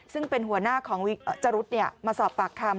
ซึ่งเป็นหัวหน้าของวิกจรุธมาสอบปากคำ